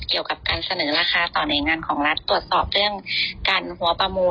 เกี่ยวกับการเสนอราคาต่อหน่วยงานของรัฐตรวจสอบเรื่องการหัวประมูล